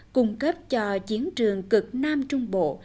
cung cấp cho chiến trường cực nam trung bộ